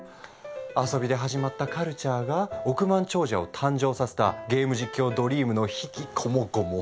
遊びで始まったカルチャーが億万長者を誕生させたゲーム実況ドリームの悲喜こもごも。